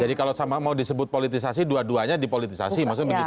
jadi kalau sama mau disebut politisasi dua duanya dipolitisasi maksudnya begitu